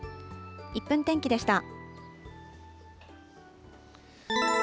１分天気でした。